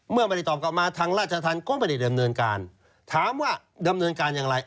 เมื่อไม่ได้ตอบกลับมาทางราชธรรมก็ไม่ได้ดำเนินการถามว่าดำเนินการอย่างไร